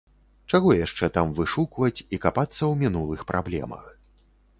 Чаго яшчэ там вышукваць і капацца ў мінулых праблемах.